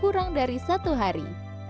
kurang dari satu hari